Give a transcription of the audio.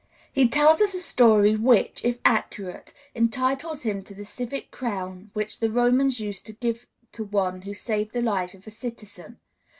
He tells a story which, if accurate, entitles him to the civic crown which the Romans used to give to one who saved the life of a citizen.